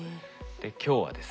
で今日はですね